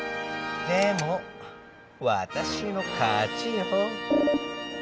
でもわたしのかちよ！